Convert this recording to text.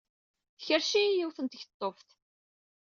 Tkerrec-iyi yiwet n tkeḍḍuft.